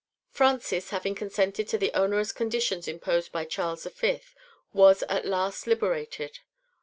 Francis having consented to the onerous conditions imposed by Charles V., was at last liberated.